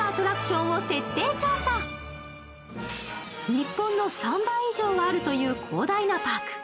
日本の３倍以上はあるという広大なパーク。